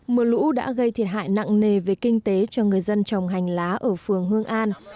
mưa lũ đã gây thiệt hại nặng nề về kinh tế cho người dân trồng hành lá ở phường hương an